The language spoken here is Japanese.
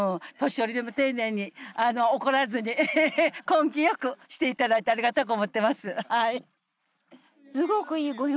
年寄りでも丁寧に怒らずに根気よくしていただいてありがたく思っています。